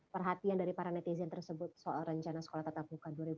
perhatian dari para netizen tersebut soal rencana sekolah tatap muka dua ribu dua puluh